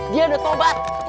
dia udah tobat